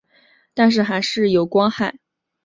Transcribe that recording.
但是还是有光害